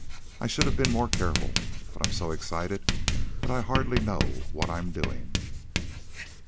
I should have been more careful, but I'm so excited that I hardly know what I'm doing."